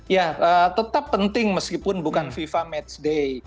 ya tetap penting meskipun bukan fifa match day